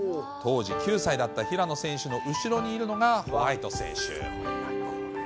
当時９歳だった平野選手の後ろにいるのがホワイト選手。